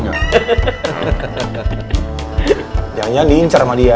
jangan jangan diincar sama dia